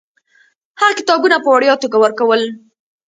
هغه کتابونه په وړیا توګه ورکول.